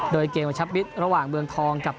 โดยเกมชับมิตรระหว่างเมืองทองกับ